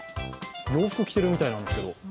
洋服着てるみたいなんですけど。